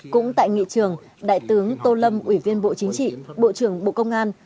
cũng tại nghị trường đại tướng tô lâm ủy viên bộ chính trị bộ trưởng bộ công an